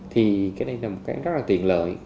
thì cái này là một cái rất là tiện lợi